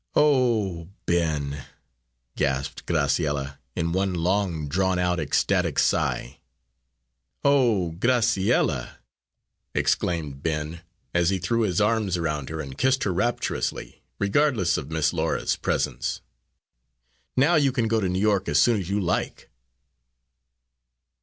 _" "O Ben!" gasped Graciella, in one long drawn out, ecstatic sigh. "O Graciella!" exclaimed Ben, as he threw his arms around her and kissed her rapturously, regardless of Miss Laura's presence. "Now you can go to New York as soon as you like!"